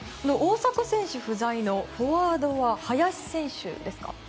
大迫選手不在のフォワードは林選手ですか？